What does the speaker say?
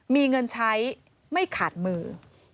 มีเงินใช้ไม่ขาดมือ